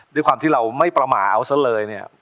ด้วยความที่เราไม่ประมาทเอาซะเลยเนี่ย